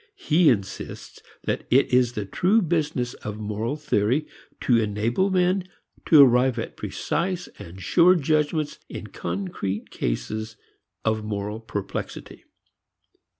He insists that it is the true business of moral theory to enable men to arrive at precise and sure judgments in concrete cases of moral perplexity.